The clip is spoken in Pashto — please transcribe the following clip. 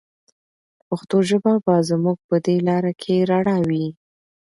پښتو ژبه به زموږ په دې لاره کې رڼا وي.